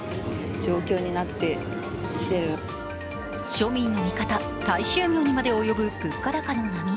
庶民の味方、大衆魚にまで及ぶ物価高の波。